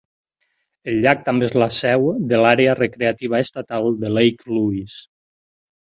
El llac també és la seu de l'Àrea recreativa estatal de Lake Louise.